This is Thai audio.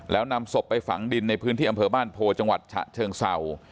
แล้วนำศพไปฝังดินในพื้นที่อำเภอบ้านโพจังหวัดฉะเชิงเศร้า